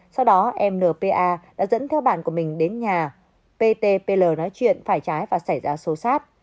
sau đó em npa đã dẫn theo bạn của mình đến nhà ptpl nói chuyện phải trái và xảy ra sâu sát